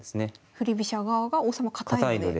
振り飛車側が王様堅いので。